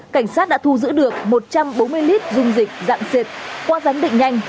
cảnh sát đã thu giữ được một trăm bốn mươi lít dung dịch dạng siệt qua ránh định nhanh